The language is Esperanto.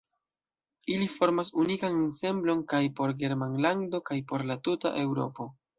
Ili formas unikan ensemblon kaj por Germanlando kaj por tuta Eŭropo.